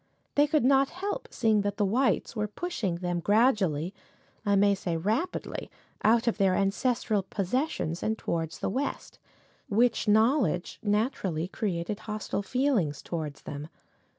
They could not help seeing that the whites were pushing them gradually I may say rapidly out of their ancestral possessions and towards the West, which knowledge naturally created a hostile feeling towards them.